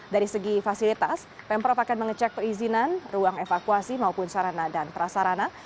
dari segi fasilitas pemprov akan mengecek perizinan ruang evakuasi maupun sarana dan prasarana